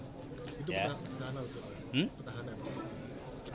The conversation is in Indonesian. itu petahana atau petahanan